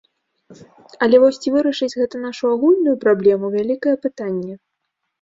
Але вось ці вырашыць гэта нашу агульную праблему, вялікае пытанне.